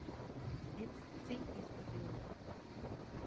Its seat is Padilla.